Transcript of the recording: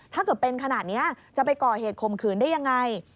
ถ้าเกิดเป็นขนาดนี้จะไปก่อเหตุข่มขืนได้ยังไง